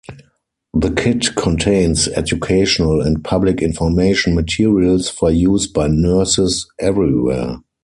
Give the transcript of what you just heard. The kit contains educational and public information materials, for use by nurses everywhere.